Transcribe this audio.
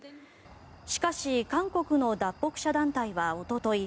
しかし韓国の脱北者団体はおととい